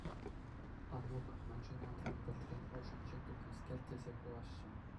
Анук, мӗншӗн манран вӗлтрен ӑшӗнче тупнӑскер, тесе кулаҫҫӗ?